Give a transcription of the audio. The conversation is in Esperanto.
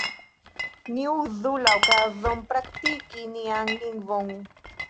Ni uzu la okazon praktiki nian lingvon!